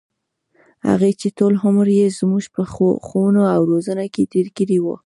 هغـې چـې ټـول عـمر يـې زمـوږ په ښـوونه او روزنـه کـې تېـر کـړى و.